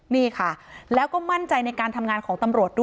นี่ค่ะแล้วก็มั่นใจในการทำงานของตำรวจด้วย